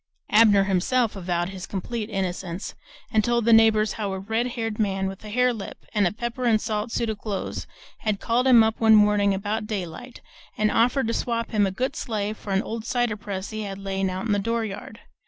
Abner himself avowed his complete innocence, and told the neighbors how a red haired man with a hare lip and a pepper and salt suit of clothes had called him up one morning about daylight and offered to swap him a good sleigh for an old cider press he had layin' out in the dooryard.